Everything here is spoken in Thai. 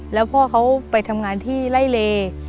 แล้วพ่อเขาไปทำงานที่ไล่เล